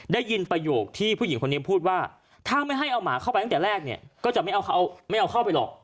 ได้ยินประโยคที่ผู้หญิงคนนี้พูดว่าถ้าไม่ให้เอาหมาเข้าไปตั้งแต่แรกเนี่ยก็จะไม่เอาไม่เอาเข้าไปหรอก